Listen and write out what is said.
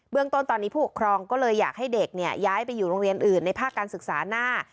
เรื่องต้นตอนนี้ผู้ปกครองก็เลยอยากให้เด็กย้ายไปอยู่โรงเรียนอื่นในภาคการศึกษาหน้า